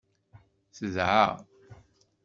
Tedɛa.